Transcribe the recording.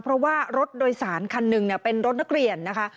เพราะว่ารถโดยสารคันหนึ่งเป็นรถนักเรียนนะคะ